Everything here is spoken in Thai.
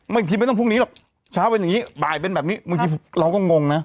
บางทีไม่ต้องพรุ่งนี้หรอกเช้าเป็นอย่างนี้บ่ายเป็นแบบนี้บางทีเราก็งงนะ